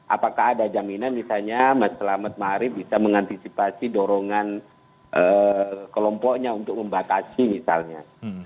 apakah ada jaminan misalnya mas selamat ⁇ maarif bisa mengantisipasi dorongan kelompoknya untuk membatasi misalnya